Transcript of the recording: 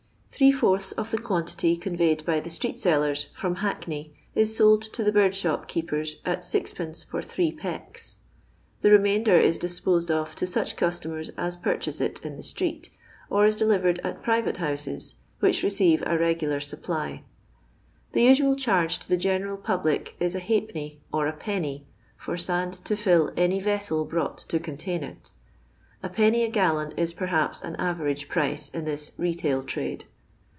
•Three fourths of the quantity con veyed by the street sellers firom Hackney is sold to the bird shop keepers at M» for 8 pecka The remainder is disposed of to sueh customers as purchase it in the street, or is delivered at private houses, which receive a regular supply. The usual charge to the general public is a halfpenny or a penny for sand to fill any vessel brought to contidn it. A penny a gallon is perhaps an average price in this retail trade.